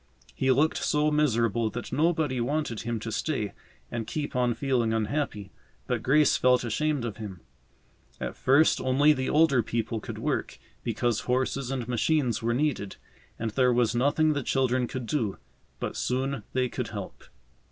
He looked so miserable that nobody wanted him to stay and keep on feeling unhappy, but Grace felt ashamed of him. At first only the older people could work, because horses and machines were needed, and there was nothing the children could do. But soon they could help.